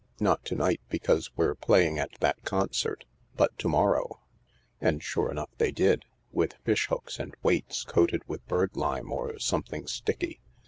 Not to night, because we're playing at that concert. But to morrow." And sure enough they did — with fish hooks and weights coated with birdlime or something sticky.